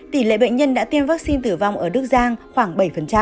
tỷ lệ bệnh nhân đã tiêm vaccine tử vong ở đức giang khoảng bảy